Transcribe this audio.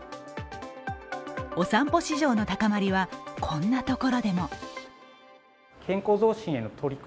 お散歩市場の高まりは、こんなところでも。